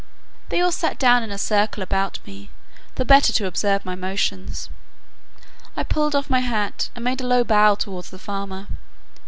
They all sat down in a circle about me, the better to observe my motions. I pulled off my hat, and made a low bow towards the farmer.